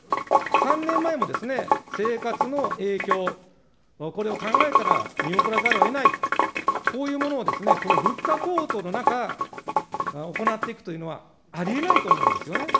３年前もですね、生活の影響、これを考えたら、見送らざるをえない、こういうものをこの物価高騰の中、行っていくというのはありえないと思うんですよね。